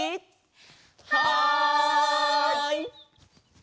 はい！